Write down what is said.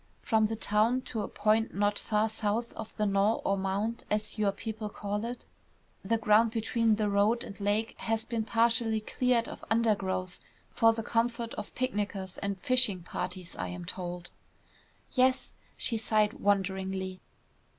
From the town to a point not far south of the knoll or mound, as your people call it, the ground between the road and lake has been partially cleared of undergrowth for the comfort of picnickers and fishing parties, I am told." "Yes." She sighed wonderingly.